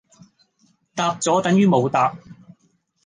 答咗等如冇答